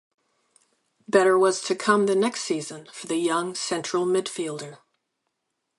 Better was to come the next season for the young central midfielder.